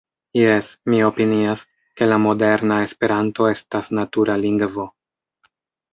Jes, mi opinias, ke la moderna Esperanto estas natura lingvo.